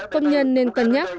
công nhân nên cân nhắc